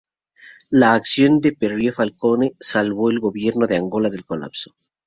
La acción de Pierre Falcone salvó el Gobierno de Angola del colapso.